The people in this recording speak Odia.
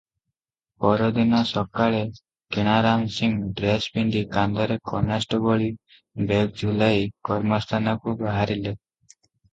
ପରଦିନ ସକାଳେ କିଣାରାମ ସିଂ ଡ୍ରେସ ପିନ୍ଧି କାନ୍ଧରେ କନେଷ୍ଟବଳି ବେଗ୍ ଝୁଲାଇ କର୍ମସ୍ଥାନକୁ ବାହାରିଲେ ।